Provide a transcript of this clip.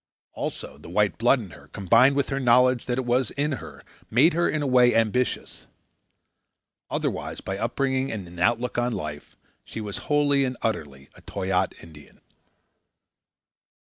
Also, the white blood in her, combined with her knowledge that it was in her, made her, in a way, ambitious. Otherwise by upbringing and in outlook on life, she was wholly and utterly a Toyaat Indian.